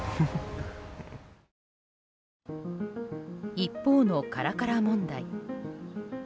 一方のカラカラ問題。